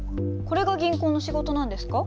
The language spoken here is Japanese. これが銀行の仕事なんですか？